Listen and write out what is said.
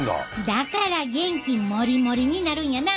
だから元気もりもりになるんやな！